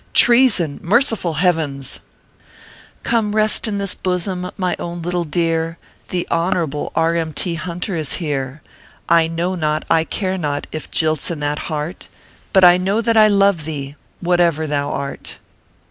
Treason merciful Heavens !" Come rest in this bosom, my own little dear, The Honourable R. M. T. Hunter is here ; I know not, I care not, if jilt s in that heart, I but know that I love tuee, whatever thou art."